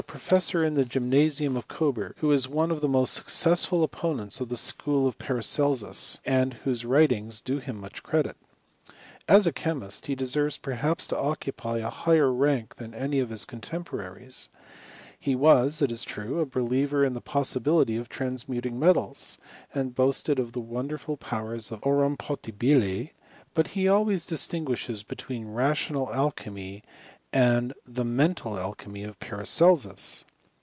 175 profesBOT in the gymnasium of Coburg, T^ho was one of the most successful opponents of the school of Para celsus, and whose writings do him much credit. As a chemist, he deserves perhaps to occupy a higher rank, than any of his contemporaries : he was, it it true, a believer in the possibility of transmuting metals, and boasted of the wonderful powers of aurum pota ' bile; but he always distinguishes between rational alchymy and the mental alchymy of Paracelsus.